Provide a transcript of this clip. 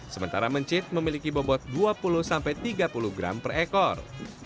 sementara mencit memiliki bobot dua puluh tiga puluh gram per ekor